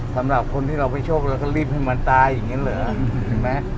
สำหรับคนที่เราไปโชคเราก็รีบให้มันตายอย่างนี้เหรอเห็นไหม